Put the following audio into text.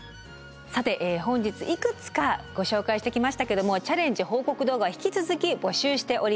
さて本日いくつかご紹介してきましたけどもチャレンジ報告動画は引き続き募集しております。